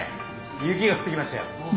雪が降ってきましたよ。